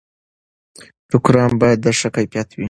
ټوکران باید د ښه کیفیت وي.